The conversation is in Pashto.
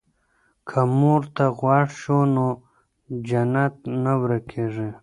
که مور ته غوږ شو نو جنت نه ورکيږي.